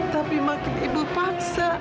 tapi makin ibu paksa